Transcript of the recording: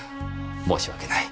申し訳ない。